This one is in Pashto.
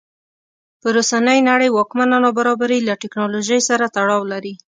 پر اوسنۍ نړۍ واکمنه نابرابري له ټکنالوژۍ سره تړاو لري.